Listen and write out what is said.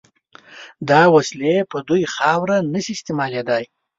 دا وسلې په دوی خاوره نشي استعمالېدای.